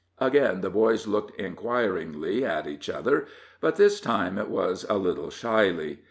Again the boys looked inquiringly at each other, but this time it was a little shyly.